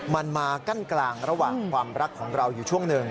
มันมากั้นกลางระหว่างความรักของเราอยู่ช่วงหนึ่ง